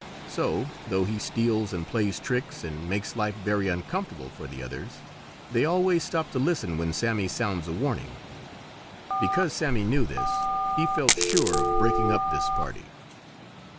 So, though he steals and plays tricks and makes life very uncomfortable for the others, they always stop to listen when Sammy sounds a warning. Because Sammy knew this he felt sure of breaking up this party.